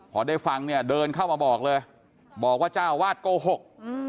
พอได้ฟังเนี่ยเดินเข้ามาบอกเลยบอกว่าเจ้าวาดโกหก